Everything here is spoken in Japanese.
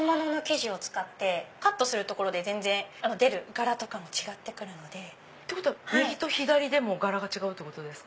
カットする所で全然出る柄とかも違ってくるので。ってことは右と左でも柄が違うってことですか？